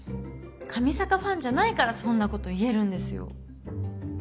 上坂ファンじゃないからそんなこと言えるんですよ。